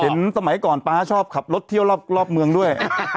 สมัยก่อนป๊าชอบขับรถเที่ยวรอบเมืองด้วย